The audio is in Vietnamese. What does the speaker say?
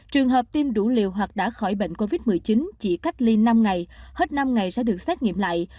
trường hợp tiêm đủ liều hoặc đã khỏi bệnh covid một mươi chín chỉ cách ly năm ngày hết năm ngày sẽ được xét nghiệm lại